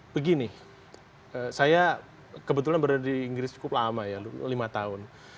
begini saya kebetulan berada di inggris cukup lama ya lima tahun